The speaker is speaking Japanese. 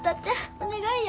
お願いや。